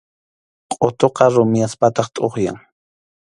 Qʼutuqa rumiyaspataq tʼuqyan.